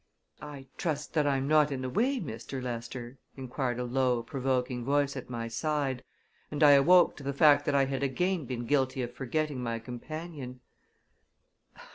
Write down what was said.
"I trust that I'm not in the way, Mr. Lester?" inquired a low, provoking voice at my side, and I awoke to the fact that I had again been guilty of forgetting my companion.